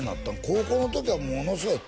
高校の時はものすごい